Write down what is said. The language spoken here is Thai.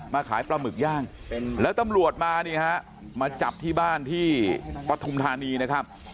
ขายปลาหมึกย่างแล้วตำรวจมานี่ฮะมาจับที่บ้านที่ปฐุมธานีนะครับ